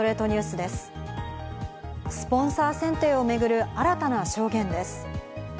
スポンサー選定をめぐる新たな証言です。